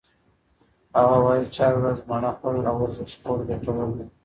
هغه وایي چې هره ورځ مڼه خوړل او ورزش کول ګټور دي.